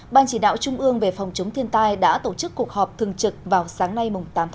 ban chỉ đạo trung ương về phòng chống thiên tai đã tổ chức cuộc họp thường trực vào sáng nay tám tháng chín